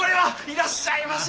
いらっしゃいませ。